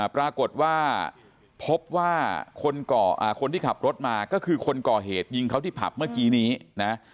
ปรากฏว่าพบว่าคนที่ขับรถมาก็คือคนก่อเหตุยิงเขาที่ผับเมื่อกี้นี้นะ